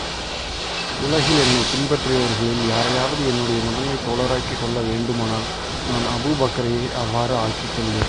உலகில் என்னைப் பின்பற்றியவர்களில், யாரையாவது என்னுடைய முதன்மைத் தோழராக்கிக் கொள்ள வேண்டுமானால், நான் அபூபக்கரையே அவ்வாறு ஆக்கிக் கொள்வேன்.